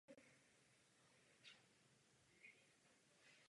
Zámek byl vyvlastněn a kaple byla opět katolíky vysvěcena.